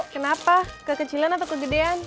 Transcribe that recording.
kenapa kekecilan atau kegedean